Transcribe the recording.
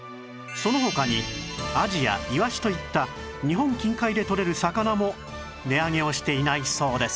その他にアジやイワシといった日本近海でとれる魚も値上げをしていないそうです